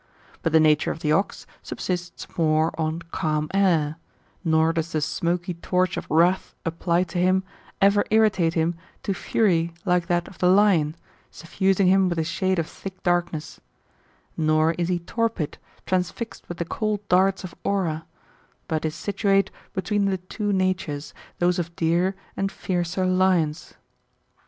But the nature of the ox subsists more on calm air, nor does the smoky torch of wrath, appHed to him,^ ever irritate him to fury like that of the liofiy suffusing him with a shade of thick darkness ;^ nor is he torpid, transfixed with the cold darts of aura; but is situate between the two natures, those of deer and fiercer Uons.